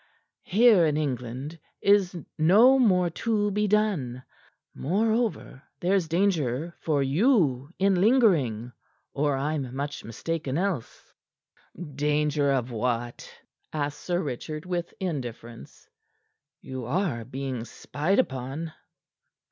Here in England is no more to be done. Moreover, there's danger for you in lingering, or I'm much mistaken else." "Danger of what?" asked Sir Richard, with indifference. "You are being spied upon."